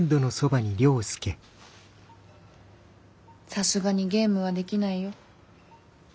さすがにゲームはできないよ。